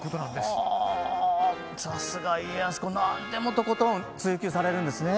さすが家康公何でもとことん追求されるんですね。